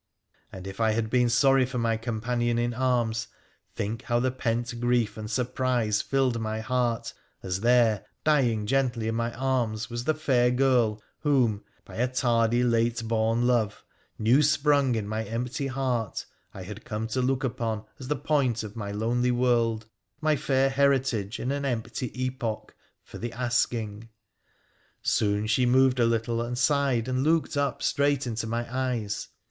And if I had been sorry for my companion in arms, think how the pent grief and surprise filled my heart, as there, dying gently in my arms, was the fair girl whom, by a tardy, late born love, new sprung in my empty heart, I had come to look upon as the point of my lonely world, my fair heritage in an r inp*:y epoch, for the asking ! Soon she moved a little, and sighed, and looked up straight into my eyes.